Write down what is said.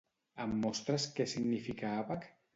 Em mostres què significa àbac?